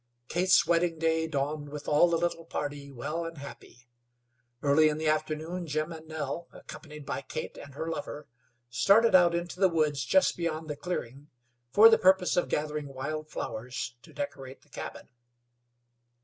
Kate's wedding day dawned with all the little party well and happy. Early in the afternoon Jim and Nell, accompanied by Kate and her lover, started out into the woods just beyond the clearing for the purpose of gathering wild flowers to decorate the cabin.